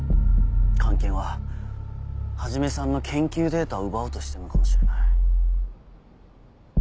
菅研は始さんの研究データを奪おうとしてるのかもしれない。